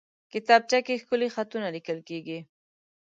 کتابچه کې ښکلي خطونه لیکل کېږي